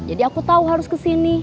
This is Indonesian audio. jadi aku tahu harus kesini